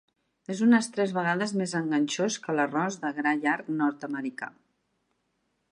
És unes tres vegades més enganxós que l'arròs de gra llarg nord-americà.